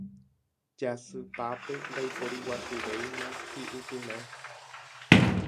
Jasypápe ndaiporiguasuvéima hiʼupyrã.